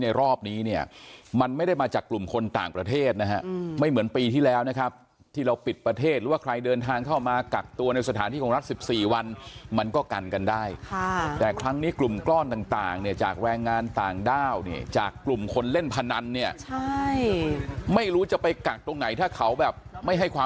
รอบนี้เนี่ยมันไม่ได้มาจากกลุ่มคนต่างประเทศนะฮะไม่เหมือนปีที่แล้วนะครับที่เราปิดประเทศหรือว่าใครเดินทางเข้ามากักตัวในสถานที่ของรัฐ๑๔วันมันก็กันกันได้ค่ะแต่ครั้งนี้กลุ่มก้อนต่างเนี่ยจากแรงงานต่างด้าวเนี่ยจากกลุ่มคนเล่นพนันเนี่ยใช่ไม่รู้จะไปกักตรงไหนถ้าเขาแบบไม่ให้ความ